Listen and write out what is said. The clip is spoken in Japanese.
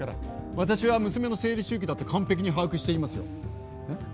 私は娘の生理周期だって完璧に把握していますよ。